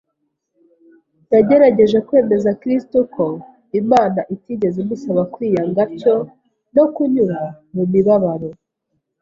Yagerageje kwemeza Kristo ko Imana itigeze imusaba kwiyanga atyo no kunyura mu mibabaro